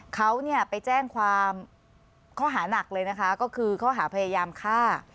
เขาไปแจ้งความข้อหานักเลยนะคะก็คือข้อหาพยายามฆ่า